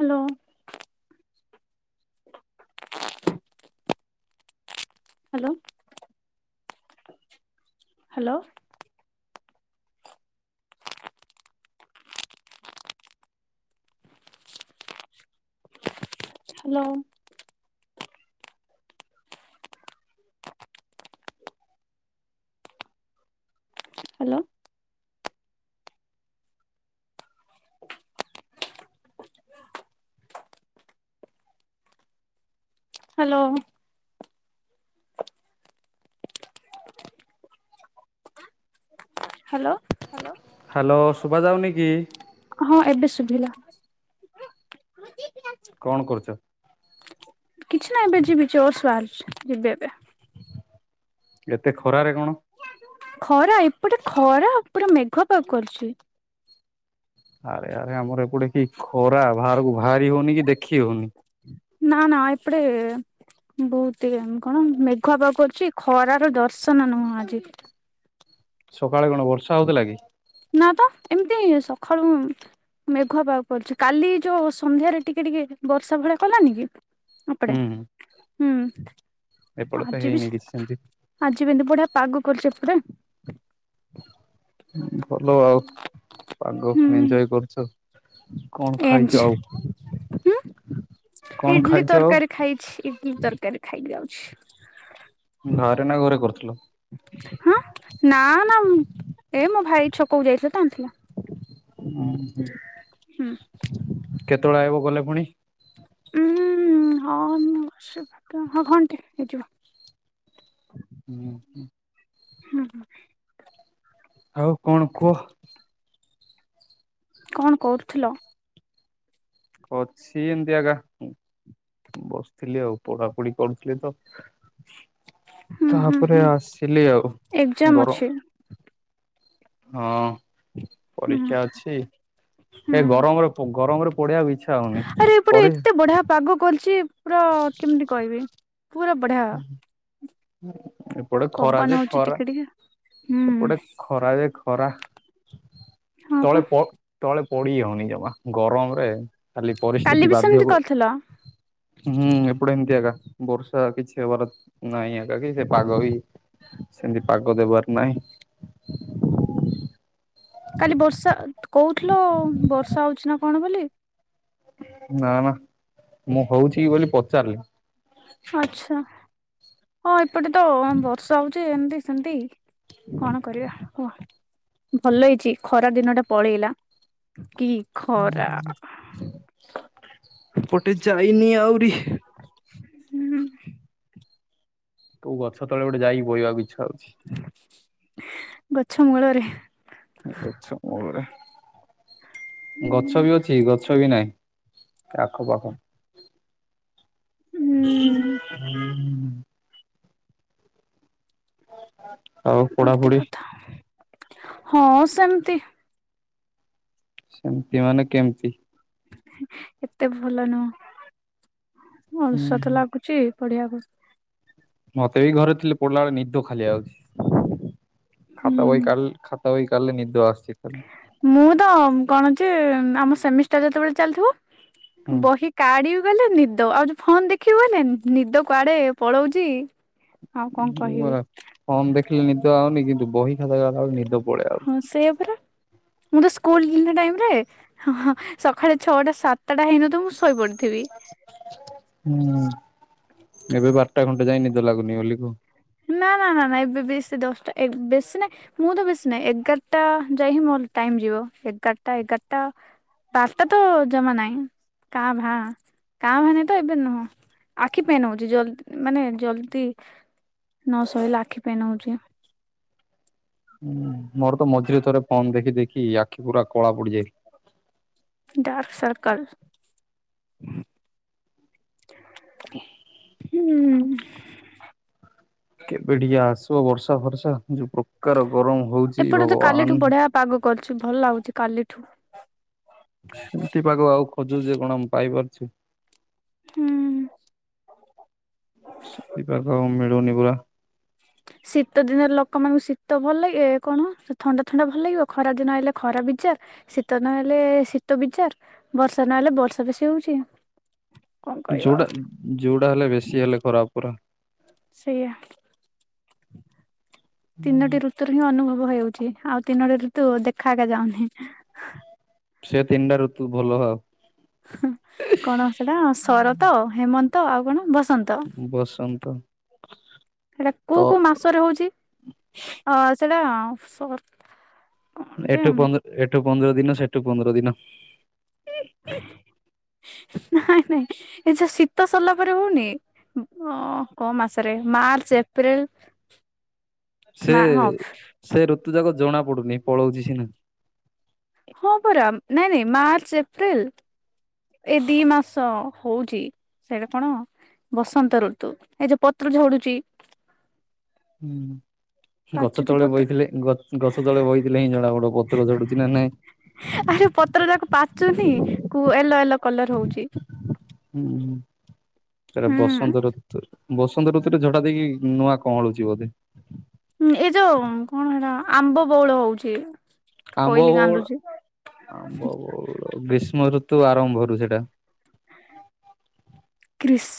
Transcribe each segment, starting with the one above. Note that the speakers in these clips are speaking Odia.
Hello. Hello hello. Hello. Hello. Hello. Hello. Hello hello ଶୁଭ ଯାଉନି କି? ହଁ ଏବେ ଶୁଭିଲା। [unintelligible] କଣ କରୁଛ? କିଛି ନାହିଁ ଏବେ ଯିବି ଜସ ବାହାରୁଛି ଯିବି ଏବେ ଏତେ ଖରାରେ କଣ? ଖରା ଏପଟେ ଖରା ପୁରା ମେଘଆ ପାଗ କରୁଛି। ଆରେ ଆରେ ଆମର ଏପଟେ କି ଖରା ବାହାରକୁ ବାହାରି ହଉନି କି ଦେଖି ହଉନି। ନା ନା ଏପଡେ ବହୁତ କଣ ମେଘୁଆ ପାଗ କରୁଛି ଖରାର ଦର୍ଶନ ନୁହଁ ଆଜି ସକାଳେ କଣ ବର୍ଷା ହଉଥିଲା କି? ନା ତ ଏମିତି ହିଁ ସକାଳୁ ମେଘୁଆ ପାାଗ କରୁଛି କାଲି ଯୋଉ ସନ୍ଧ୍ୟାରେ ଟିକେ ଟିକେ ବର୍ଷା ଭଳିଆ କଲାନି କି ଏପଟେ ହୁଁ ଏପଟେ ତ ଆଜି ବି ହେଇନି କିଛି ସେମିତି ଆଜିିବି ହିତି ବଢ଼ିଆ ପାଗ କରୁଛି ଏପଟେ ଭଲ ଆଉ ପାଗ ହୁଁ କୁ ଇଞ୍ଜୋୟ୍ କରୁଛ। କଣ ଖାଇଛ ଏମତି ଆଉ? କଣ ଇଡଲି ଖାଇଛ ଆଉ? ତରକାରୀ ଖାଇଛି ଇଟିଲି ତରକାରୀ ଖାଇ କି ଆଉଛି। ଘରେ ନା ଘରେ କରୁଥିଲ? ହଁା ନା ନା ଏ ମୋ ଭାଇ ଛକକୁ ଯାଇଥିଲା ତ ଆଣିଥିଲା। ହଁ ହ ହୁଁ। କେତେବେଳେ ଆଇବ ଗଲେ ପୁଣି? ଉଁ ହଁ ମୁସ ହଁ ଘଣ୍ଟେ ହେଇଯିବ। ହୁଁ। ହୁଁ ହଁ। ଆଉ କଣ କୁହ? କଣ କରୁଥିଲ? ଅଛି ଏମିତି ଆଗା। ବସିଥିଲି ଆଉ ପଢାପଢି କରୁଥିଲି ତ। ହୁଁ ହୁଁ ତାପରେ ହୁଁ ଆସିଲି ଆଉ ଏକ୍ଜାମ ଗର ଅଛି ହଁ ହୁଁ ପରୀକ୍ଷା ଅଛି ହୁଁ ଏ ଗରମରେ ପ ଗରମରେ ପଢ଼ଆକୁ ଇଛା ଆରେ ଏପଟେ ଏତେ ବଢିଆ ପାଗ କରିଛି ପୁରା କେମିତି କହିବି? ପୁରା ବଢିଆ। ଏପଟେ ଖରା ପବନ ଯେ ହଉଛି ଖରା ଟିକେ ଟିକେ ହୁଁ ଏପଟେ ଖରା ଯେ ଖରା ହଁ ପା ତଳେ ପ ତଳେ ପଡି ହଉନି ଜମା ଗରମରେ ଖାଲି କାଲି ପରିସ୍ଥିତି ବି ବାଧ୍ୟ ସେମିତି ହୁ କରିଥିଲ ହୁଁ ଏପଟେ ଏମତି ଆଗା ବର୍ଷା କିଛି ହବାର ନାଇଁ ଆ କି ସେ ପାଗ ହୀ ସେମତି ପାଗ ଦେବାର ନାହିଁ। କାଲି ବର୍ଷା କହୁଥିଲ ବର୍ଷା ହଉଛି ନା କଣ ବୋଲି? ନା ନା ମୁଁ ହଉଛି କି ବୋଲି ପଚାରିଲି? ଆଚଛା। ହଁ ଏପଟେ ତ ବର୍ଷା ହଉଛି ଏମତି ସେମିତି କଣ କରିବା ହୁହ? ଭଲ ହେଇଛି ଖରା ଦିନ ଟା ପଳେଇଲା କି ଖରା ଏପଟେ ଯାଇନି ଆହୁରି। ହୁଁ। କୋଉ ଗଛ ତଳେ ଗୋଟେ ଯାଇକି ବୋଇବାକୁ ଇଛା ହଉଛି। ଗଛ ମୁଳରେ। ଗଛ ମୂଳରେ। ଗଛ ବି ଅଛି ଗଛ ବି ନାହିଁ ଆଖ ପାଖ। ହୁଁ ଏମିତି [inaudible] ଆଉ ଏମିତି ପଢାପଢି କଥା ହଁ ସେମିତି ସେମିତି ମାନେ କେମିତି? ଏତେ ଭଲ ନୁହ ହୁଁ ଅଳସ ହୁଁ ତ ଲାଗୁଛି ପଢିବାକୁ। ମତେ ବି ଘରେ ଥିଲେ ପଡିଲା ବେଳେ ନିଦ ଖାଲି ଆଉଚି। ହୁଁ ଖାତା ବହି କାଲ ଖା ତା ବଇ କାଲେ ନିଦ ଆସଚି ଖାଲି। ମୁଁ ତ କଣ ଅଛି ଆମ ସେମିଷ୍ଟାର ଯେତେବେଳେ ଚାଲିଥିବ ବହି କାଢି ଗଲେ ନିଦ ଆଉ ଯୋ ଫୋନ ଦେଖି ହୁନ ନିଦ କୁଆଡେ ପଳଉଛି। ଆଉ କଣ କହିବି ହୁଁ ଫୋନ ଦେଖିଲେ ନିଦ ଆଉନି କିନ୍ତୁ ବହି ଖାଦଲା ନିଦ ପଳେଇ ଆଉ ହଁ ସେଇଆ ପରା, ମୁଁ ତ ସ୍କୁଲ ଇଲା ଟାଇମରେ ହ ହଁ ସଖାଳେ ଛଅଟା ସାତଟା ହେଇନଥିବ ମୁଁ ଶୋଇପଡିଥିବି। ହୁଁ ଏବେ ବାରଟା ଖଣ୍ଟେ ଯାଇ ନିଦ ଲାଗୁନି ବୋଲି କୁହ। ନା ନା ନା ନା ଏବେ ବେସି ଦଶଟା ବେଶୀ ନାଇଁ ମୁଁ ତ ବେସି ନାଇଁ ଏଗାରଟା ଯାଏ ହିଁ ମୋର ଟାଇମ ଯିବ। ଏଗାରଟା ଏଗାରଟା ପାସ୍ତା ତ ଜମା ନାଇଁ କାଁ ଭାଁ, କାଁ ଭାଁ ନାଇଁ ତ ଏବେ ନୁହଁ। ଆଖି ପେନ ହଉଛି ଜଲଦି ମାନେ ଜଲଦି। ନ ଶହଲେ ଆଖି ପେନ ହଉଛି। ହୁଁ ମୋର ତ ମଝିରେ ଥରେ ଫନ ଦେଖି ଦେଖି ଆଖି ପୁରା କଳା ପଡିଯାଇ ଡାର୍କ ସର୍କଲ। ହୁଁ। କେବେ ଟିକେ ଆସିବ ବର୍ଷା ଫର୍ଷା ଯୋଉ ପ୍ରକାର ଗରମ ହଉଛି ଏପଟେ ତ କାଲିଠୁ ଭଗବାନ। ବଢିଆ ପାଗ କରୁଛି ଭଲ ଲାଗୁଛି କାଲିଠୁ। ସେମତି ପାଗ ଆଉ ଖୋଜୁ ଯେ କଣ ମୁ ପାଇପାରୁଛି? ହୁଁ। ଶନି ପାକ ମିଳୁନି ପୁରା। ଶୀତ ଦିନରେ ଲୋକମାନଙ୍କୁ ଶୀତ ଭଲ ଲାଗେ ଏ କଣ ଥଣ୍ଡା ଥଣ୍ଡା ଭଲ ଲାଗିବ ଖରା ଦିନ ଆଇଲେ ଖରା ବିଚାର ଶୀତ ନହେଲେ ଶୀତ ବିଚାର ବର୍ଷା ନହେଲେ ବର୍ଷା ବେଶୀ ହଉଚି। ଯୋଉଟା ଯୋଉଟା ହେଲେ ବେଶୀ ହେଲେ ଖରାପ ପରା। ସେଇଆ ତିନୋଟି ଋ ଋତୁ ହିଁ ଅନୁଭବ ହେଉଛି ଆଉ ତିନୋଟି ଋତୁ ଦେଖା ଏକା ଯାଉନି। ସେ ତିନିଟା ଋତୁ ଭଲ ଆଉ। ହୁଁ କଣ ସେଟା ଶରତ ହେମନ୍ତ ଆଉ କଣ ବସ ନ୍ତ ବସନ୍ତ ସେଟା ତ କୋଉ କୋଉ ମାସରେ ହଉଚି? ଅ ସେଇଟା ସ ଏଠୁ ପନ୍ଦର ଏଠୁ ପନ୍ଦର ଦିନ ସେଠୁ ପନ୍ଦର ଦିନ ହୁଁ ହୁଁ। ନାଇଁ ନାଇଁ ଏ ଯଉ ଶୀତ ସରିଲା ପରେ ହଉନି। ଅ କ ମାସରେ ମାର୍ଚ୍ଚ ଏପ୍ରିଲ। ସେ ମା ହଁ ସେ ଋତୁ ଯାକ ଜଣା ପଡୁନି ପଳଉଚି ସିନା। ହ ପରା ନାଇଁ ନାଇଁ ମାର୍ଚ୍ଚ ଏପ୍ରିିଲ। ଏ ଦି ମାସ ହଉଚି ସେଟା କଣ? ବସନ୍ତ ଋତୁ ଏ ଯୋଉ ପତ୍ର ଝଡୁଚି। ହୁଁ। ଗଛ ପାଚୁଛି ତଳେ ପତ୍ର ବଇଥିଲେ ଗ-ଗଛ ତଳେ ବଇଥିଲେ ହିଁ ଜଣା ପଡିବ ପତ୍ର ଝଡୁଚି ନା ନାଇଁ। ଆରେ ପତ୍ର ଯାକ ପାଚୁନି କୁ ଏଲୋ ଏଲୋ ହୁଁ ତରେ ହୁଁ ବସନ୍ତ ଋ ବସନ୍ତ ଋତୁରେ ଝଡା ଦେଇକି ନୂଆ କଁଳୁଚି ବୋଧେ। ହୁଁ ଏଇ ଯୋଉ କଣ ହେଟା ଆମ୍ବ ବଉଳ ହଉଛ। ଆମ୍ବ ବଉଳ ଆମ୍ବ ବଉଳ ଗ୍ରୀଷ୍ମ ଋତୁ ଆରମ୍ଭରୁ ସେଇଟା। [inaudible] ଗ୍ରୀସ୍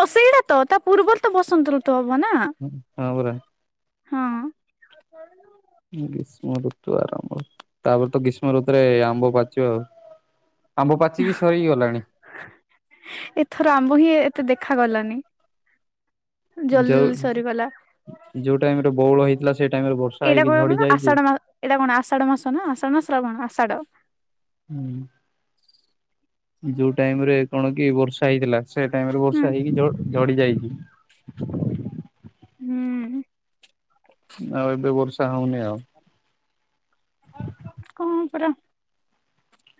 ଅ ସେଇଟା ତ ତା ପୂର୍ବରୁ ତ ବସନ୍ତ ଋତୁ ହବ ନା। ହୁଁ ହଁ ପରା। ହଁ। [unintelligible] ଗ୍ରୀଷ୍ମ ଋତୁ ଆରମ୍ଭ ତାପରେ ତ ଗ୍ରୀଷ୍ମ ଋତୁରେ ଆମ୍ବ ପାଚିବ ଆଉ। ଆମ୍ବ ପାଚିକି ସରିଗଲାଣି। ଏଥର ଆମ୍ବ ହିଁ ଏତେ ଦେଖା ଗଲାନି। ଯୋଉ ସରିଗଲା ଯୋଉ ଟାଇମ୍ ରେ ବଉଳ ହେଇଥିଲା ସେଇ ଟାଇମରେ ବ ଏଇଟା କଇବୁ ନା ଆଷାଢ ମା ଏଇଟା କଣ ଆଷାଢ ମାସ ନା ଆଷାଢ ନା ଶ୍ରାବଣ ଆଷାଡ଼। ହୁଁ ଯୋଉ ଟାଇମ୍ ରେ କଣ କି ବର୍ଷା ହେଇଥିଲା। ସେ ଟାଇମ୍ ରେ ହୁଁ ବର୍ଷା ହେଇକି ଝ-ଝଡି ଯାଇଚି। ହୁଁ। ଆଉ ଏବେ ବର୍ଷା ହଉନି ଆଉ। କଣ ପରା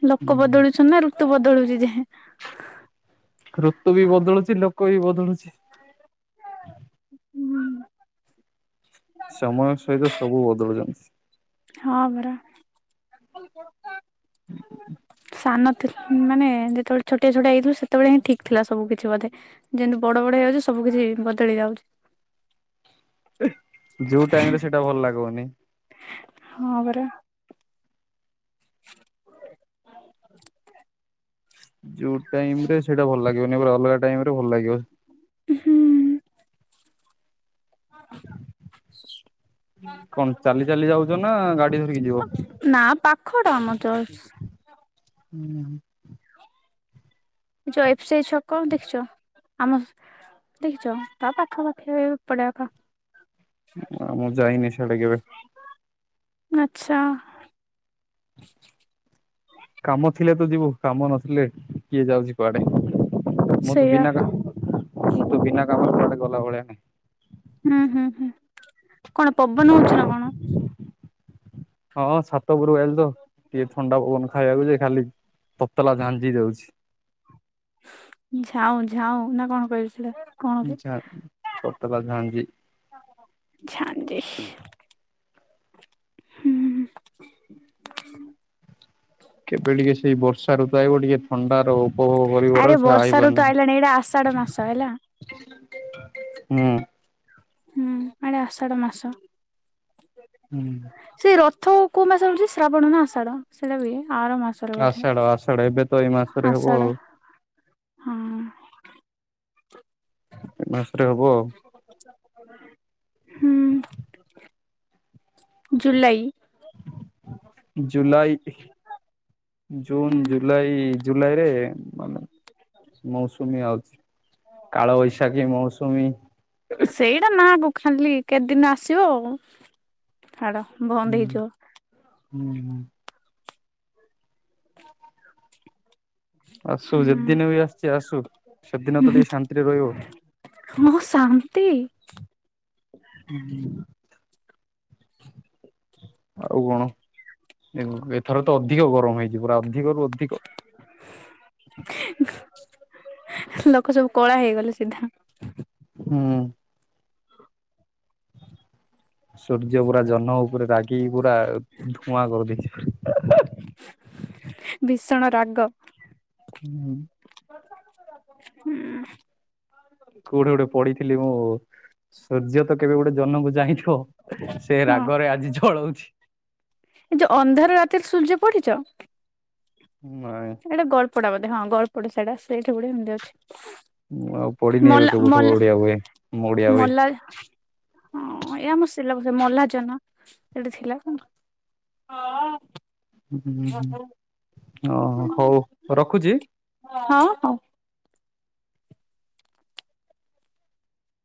ହୁଁ ଲୋକ ହୁଁ। ବଦଳୁଛନ୍ତି ନା ଋତୁ ବଦଳୁଚି ଯାହା। ଋତୁ ବି ବଦଳୁଚି ଲୋକ ବି ବଦଳୁଚି। ହୁଁ ସମୟ ସହିତ ସବୁ ବଦଳୁଚନ୍ତି। ହଁ ପରା। ସାନ ଥିଲୁ ମାନେ ଯେତବେଳେ ଛୋଟିଆ ଛୋଟିଆ ହେଇଥିଲୁ ସେତବେଳେ ହିଁ ଠିକ ଥିଲା ସବୁ କିଛି ବୋଧେ। ଯେମିତି ବଡ଼ ବଡ଼ ହେଇଯାଉଚୁ ସବୁ କିିଛି ବଦଳି ଯାଉଛି। ଏ ଯୋଉ ଟାଇମରେ ସେଇଟା ଭଲ ଲାଗିବନି ହଁ ପରା। [inaudible] ଯୋଉ ଟାଇମ ରେ ସେଇଟା ଭଲ ଲାଗିବନି ଅଲଗା ଟାଇମରେ ଭଲ ଲାଗିବ। ହୁଁ। କଣ ଚାଲି ଚାଲି ଯାଉଛ ନା ଗାଡି ଧରିକି ଯିବ? [unintelligible] ନା ପାଖଟା ଆମ ଜସ୍ ହୁଁ। ଯୋଉ [unintelligible] ଛକ ଦେଖିଛ ଆମ ଦେଖିଛ ତା ପାଖା ପାାଖି ପଡ଼ିଆ ପା ଆ ମୁଁ ଯାଇନି ସିଆଡେ କେବେ ଆଚ୍ଛା। କାମ ଥିଲେ ତ ଯିବୁ କାମ ନଥିଲେ କିଏ ଯାଉଚି କୁଆଡ଼େ। ମୁଁ ତ ସେଇଆ ବିନା କା ମୁଁ ତ ବିନା କାମରେ କୁଆଡ଼େ ଗଲା ଭଳିଆ [unintelligible] ହୁଁ ହୁଁ କଣ ପବନ ହଉଛି ନା କଣ? ହଁ ଛାତ ଉପରକୁ ଆ ତ ଟିକେ ଥଣ୍ଡା ପବନ ଖାଇବାକୁ ଯେ ଖାଲି ତତଲା ଝାଞ୍ଜି ଦଉଛି। ଝାଉଁ ଝାଉଁ ନା କଣ କହିଲେ ସେଟା? କଣ କି ଝା ତତଲା ଝାଞ୍ଜି। ଝାଞ୍ଜି। ହୁଁ ହୁଁ‌ ହୁଁ କେବେ ଟିକେ ସେଇ ବର୍ଷା ଋତୁ ଆଇବ ଟିକେ ଥଣ୍ଡା ରୁ ଉପଭୋଗ କରିବି ଆରେ ବରଂ ସେ ବର୍ଷା ଋତୁ ଆଇବନି ଆଇଲାଣି ଏଇଟା ଆଷାଢ ମାସ ହେଲା ହୁଁ। ହୁଁ ଆଡ଼େ ଆଷାଢ଼ ମାସ। ହୁଁ। ସେଇ ରଥ କୋଉ ମାସ ରେ ହଉଚି ଶ୍ରାବଣ ନା ଆଷାଢ଼ ସେଇଟା ବି ହୁଏ ଆର ମାସ ଆଷାଢ଼ ଆଷାଢ଼ ଏବେ ତ ଏଇ ମାସରେ ହବ ଆଷାଢ ଆଉ। ହଁ। ଏ ମାସରେ ହବ। ହୁଁ ଜୁଲାଇ। ଜୁଲାଇ ଜୁନ୍, ହୁଁ। ଜୁଲାଇ, ଜୁଲାଇରେ ମାନେ ମୌସୁମୀ ଆଉଚି‌ କାଳବୈଶାଖୀ ମୌସୁମୀ ସେଇଟା ନାଁ କୁ ଖାଲି କେତେ ଦିନ ଆସିବ ଛାଡ଼। ହୁଁ ହୁଁ ହୁଁ। ଆସୁ ହୁଁ ଯେତେଦିନି ବି ଆସୁଛି ଆସୁ ସେତେଦିନ ତ ଟିକେ ଶାନ୍ତିରେ ରହିବ। ହଁ ଶାନ୍ତି। [inaudible] ଆଉ କଣ ଏ ଏଥର ତ ଅଧିକ ଗରମ ହେଇଛି ପୁରା ଅଧିକରୁୁ ଅଧିକ। [unintelligible] ଲୋକ ସବୁ କଳା ହେଇଗଲେ ସିଧା। ହୁଁ। ସୂର୍ଯ୍ୟ ପୁରା ଜହ୍ନ ଉପରେ ରାଗିକି ପୁରା ଧୂଆଁ କରିଦେଇଛି। ଭିଷଣ ରାଗ। ହୁଁ। ହୁଁ। କୋଉଠେ ଗୋଟେ ପଡିଥିଲି ମୁଁ ସୂର୍ଯ୍ୟ ତ କେବେ ଗୋଟେ ଜହ୍ନ କୁ ଚାହିଁ [unintelligible] ସେ ହଁ। ରାଗରେ ଆଜି ଜଳଉଛି। ଏ ଯୋଉ ଅନ୍ଧାର ରାତିରେ ସୂର୍ଯ୍ୟ ପଢି଼ଛ। ନାଇଁ। ଏଇଟା ଗଳ୍ପଟା ବୋଧେ ହଁ ଗଳ୍ପଟା ସେଇଟା ସେଇଠି ଗୋଟେ ଏମିତି ଅଛି। ମୁଁ ଆଉ ପଢି଼ନି ଏବେ ମଲା କେବଠୁ ମଲା ଓଡ଼ିଆ ବହି ମୁଁ ଓଡ଼ିଆ ବହି ମଲା ହଁ ଏ ଆମ ସିଲାବସ୍ ରେ ମଲା ଜହ୍ନ ସେଟା ଥିଲା ତ। ହଁ। ହୁଁଁ ହୁଁ ଓ ହଉ ରଖୁଛି। ହଁ ହଉ।